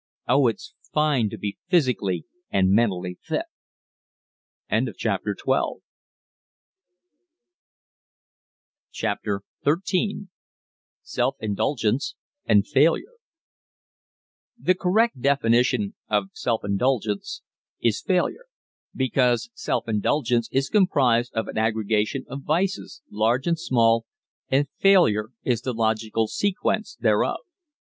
Oh! it's fine to be physically and mentally fit! CHAPTER XIII SELF INDULGENCE AND FAILURE The correct definition of self indulgence is failure because self indulgence is comprised of an aggregation of vices, large and small, and failure is the logical sequence thereof.